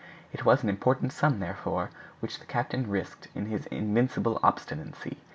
It was an important sum, therefore, which the captain risked in his invincible obstinacy.